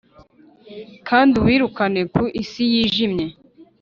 kandi ubirukane ku isi yijimye!